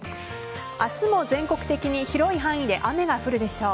明日も全国的に広い範囲で雨が降るでしょう。